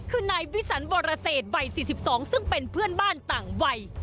คือนายวิสันบรเศษวัย๔๒ซึ่งเป็นเพื่อนบ้านต่างวัย